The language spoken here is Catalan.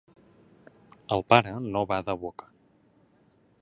El pare no bada boca.